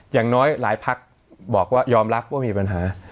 อย่างน้อยหลายพักบอกว่ายอมรับว่ามีปัญหา